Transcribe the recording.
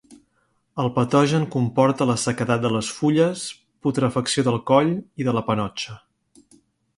El patogen comporta la sequedat de les fulles, putrefacció del coll i de la panotxa.